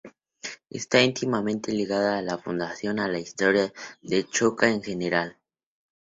Está íntimamente ligada a la fundación y a la historia de Chota en general.